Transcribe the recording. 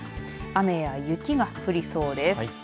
雨や雪が降りそうです。